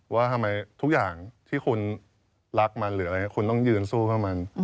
ว่าทุกอย่างที่คุณรักมันหรืออันนี้คุณต้องยืนสู้กับมัน